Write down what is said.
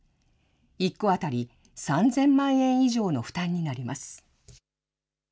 １戸当たり３０００万円以上の負担になります。